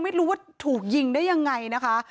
ไม่รู้ว่าถูกยิงได้ยังไงนะคะ